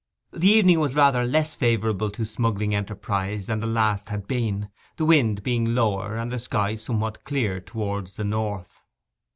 The evening was rather less favourable to smuggling enterprise than the last had been, the wind being lower, and the sky somewhat clear towards the north.